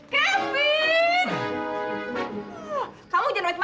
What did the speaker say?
kamu jangan macam macam ya